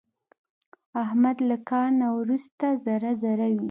احمد له کار نه ورسته ذره ذره وي.